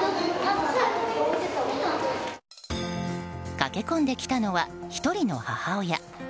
駆け込んできたのは１人の母親。